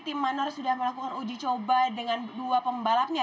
tim manor sudah melakukan uji coba dengan dua pembalapnya